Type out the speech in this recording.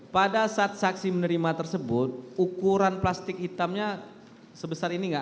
pada saat saksi menerima tersebut ukuran plastik hitamnya sebesar ini nggak